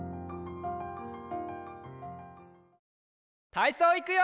たいそういくよ！